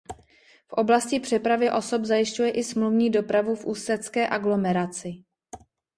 V oblasti přepravy osob zajišťuje i smluvní dopravu v ústecké aglomeraci.